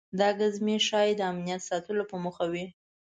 دا ګزمې ښایي د امنیت ساتلو په موخه وي.